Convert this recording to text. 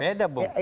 nah beda bung